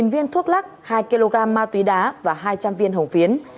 một mươi viên thuốc lắc hai kg ma túy đá và hai trăm linh viên hồng phiến